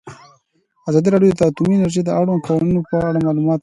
ازادي راډیو د اټومي انرژي د اړونده قوانینو په اړه معلومات ورکړي.